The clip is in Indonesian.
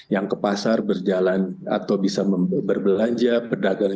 yang ke pasar berjalan atau bisa berbelanja pedagang